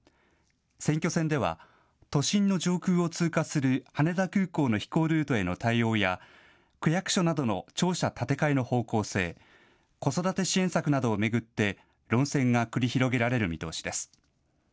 選挙戦では都心の上空を通過する羽田空港の飛行ルートへの対応や区役所などの庁舎建て替えの方向性、子育て支援策などを巡って論戦が繰り広げられる見通しです。